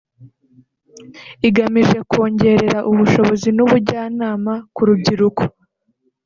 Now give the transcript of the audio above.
igamije kongerera ubushobozi n’ubujyanama ku rubyiruko